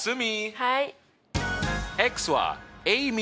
はい。